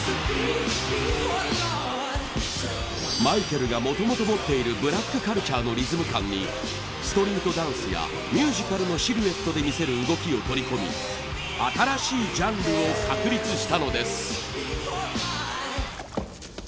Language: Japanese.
マイケルがもともと持っているブラックカルチャーのリズム感にストリートダンスやミュージカルのシルエットで見せる動きを取り込み新しいジャンルを確立したのです。